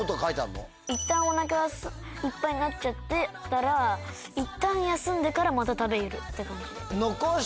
いったんお腹がいっぱいになっちゃったらいったん休んでからまた食べるって感じ。